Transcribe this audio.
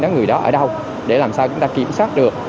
người đó ở đâu để làm sao chúng ta kiểm soát được